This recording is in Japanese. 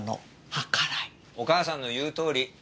お母さんの言うとおり。